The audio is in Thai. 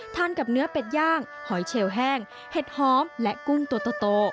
กับเนื้อเป็ดย่างหอยเชลแห้งเห็ดหอมและกุ้งตัวโต